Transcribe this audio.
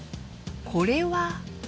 これは。